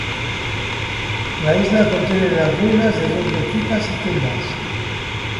La isla contiene las ruinas de dos mezquitas y tumbas.